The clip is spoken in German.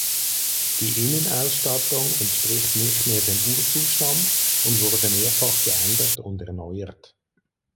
Die Innenausstattung entspricht nicht mehr dem Urzustand und wurde mehrfach geändert und erneuert.